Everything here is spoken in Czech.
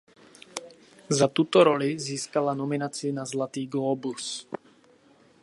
Za tuto roli získala nominaci na Zlatý glóbus.